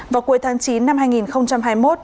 vào cuối tháng chín năm hai nghìn hai mươi một